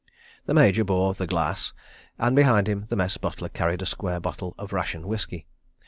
The Major bore The Glass, and, behind him, the Mess butler carried a square bottle of ration whisky.